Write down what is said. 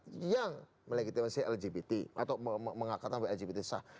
masyarakat yang melegitimasi lgbt atau mengakad lgbt sah